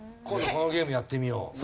「今度このゲームやってみよう」？